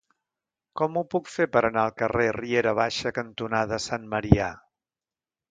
Com ho puc fer per anar al carrer Riera Baixa cantonada Sant Marià?